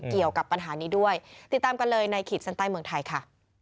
เกี่ยวกับปัญหานี้ด้วยติดตามกันเลยในขีดเส้นใต้เมืองไทยค่ะ